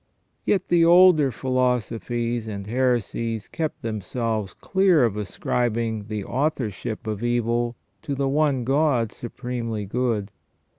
Yet the older philosophies and heresies kept themselves clear of ascribing the authorship of evil to the One God supremely good.